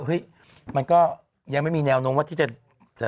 เฮ้ยมันก็ยังไม่มีแนวโน้มว่าที่จะ